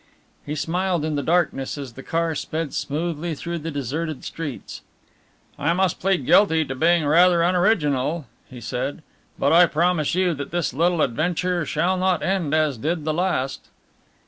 He smiled in the darkness as the car sped smoothly through the deserted streets. "I must plead guilty to being rather unoriginal," he said, "but I promise you that this little adventure shall not end as did the last."